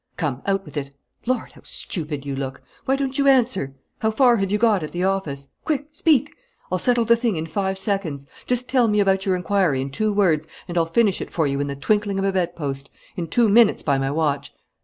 Come, out with it! Lord, how stupid you look! Why don't you answer? How far have you got at the office? Quick, speak! I'll settle the thing in five seconds. Just tell me about your inquiry in two words, and I'll finish it for you in the twinkling of a bed post, in two minutes by my watch.